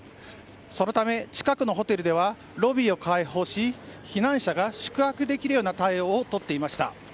そのため、近くのホテルではロビーを開放し避難者が宿泊できるような対応をとっていました。